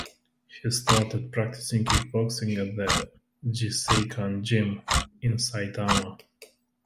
He started practicing kickboxing at the Jiseikan Gym in Saitama.